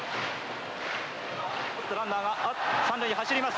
おっとランナーが三塁に走ります。